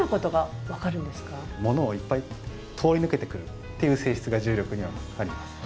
物をいっぱい通り抜けてくるっていう性質が重力波にはあります。